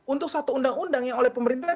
untuk satu undang undang yang oleh pemerintah